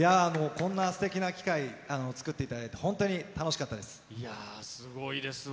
こんなすてきな機会、作っていただいて、本当に楽しかったでいやー、すごいですわ。